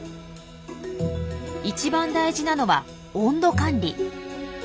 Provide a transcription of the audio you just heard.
一番大事なのは温度管理。